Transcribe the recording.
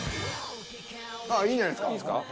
いいんじゃないですか？